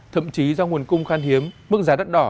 thậm chí do nguồn cung khan hiếm mức giá đắt đỏ